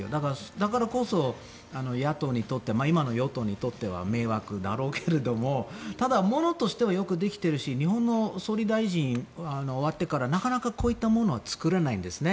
だからこそ、野党にとって今の与党にとっては迷惑だろうけれどもただ、物としてはよくできているし日本の総理大臣は終わってからなかなかこういうものは作れないんですね。